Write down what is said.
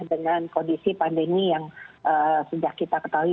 dengan kondisi pandemi yang sudah kita ketahui